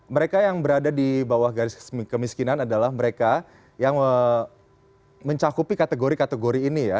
mereka yang berada di bawah garis kemiskinan adalah mereka yang mencakupi kategori kategori ini ya